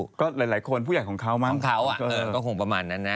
ก็หลายคนผู้ใหญ่ของเขามั้งเขาก็คงประมาณนั้นนะ